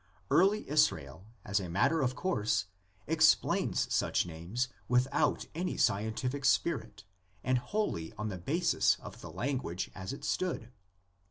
Early Israel as a matter of course explains such names without any scientific spirit and wholly on the basis of the language as it stood.